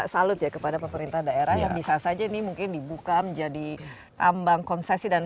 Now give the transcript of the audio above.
salut ya kepada pemerintah daerah yang bisa saja ini mungkin dibuka menjadi tambang konsesi dan